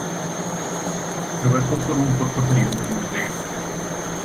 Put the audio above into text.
Trabajó por un corto período en Las Vegas.